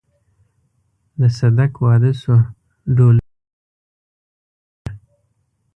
د صدک واده شو ډهلونه او ډمامې وغږېدې.